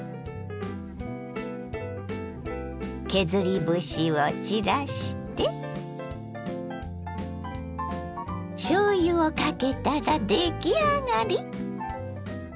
削り節を散らしてしょうゆをかけたら出来上がり！